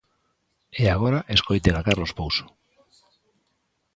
E agora escoiten a Carlos Pouso.